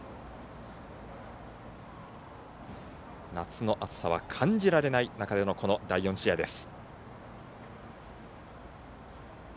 夏の暑さは感じられない中での第４試合です。